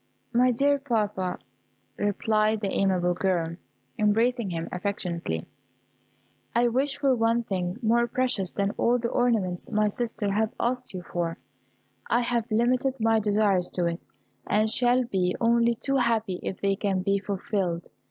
"My dear papa," replied the amiable girl, embracing him affectionately, "I wish for one thing more precious than all the ornaments my sisters have asked you for; I have limited my desires to it, and shall be only too happy if they can be fulfilled.